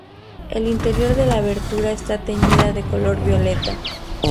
El interior de la abertura está teñida de color violeta.